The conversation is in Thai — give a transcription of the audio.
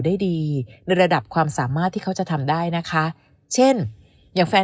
ได้ดีในระดับความสามารถที่เขาจะทำได้นะคะเช่นอย่างแฟน